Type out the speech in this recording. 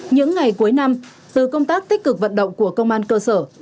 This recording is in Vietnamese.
những ngày cuối năm từ công tác tích cực vận động của công an cơ sở